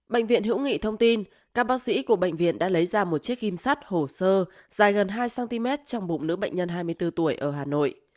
bệnh viện hữu nghị thông tin các bác sĩ của bệnh viện đã lấy ra một chiếc ghim sắt hồ sơ dài gần hai cm trong bụng nữ bệnh nhân hai mươi bốn tuổi ở hà nội